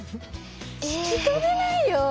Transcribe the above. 聞き取れないよ。